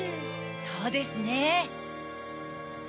そうですね。